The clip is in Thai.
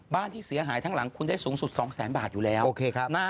ที่เสียหายทั้งหลังคุณได้สูงสุดสองแสนบาทอยู่แล้วโอเคครับ